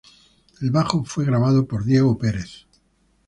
El bajo fue grabado por Diego Perez.